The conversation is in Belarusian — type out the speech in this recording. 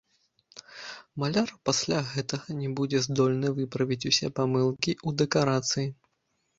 Маляр пасля гэтага не будзе здольны выправіць усе памылкі ў дэкарацыі!